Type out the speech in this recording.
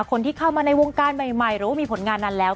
คนที่เข้ามาในวงการใหม่หรือว่ามีผลงานนั้นแล้ว